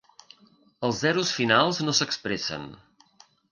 Els zeros finals no s'expressen.